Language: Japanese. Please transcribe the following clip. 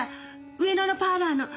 上野のパーラーの。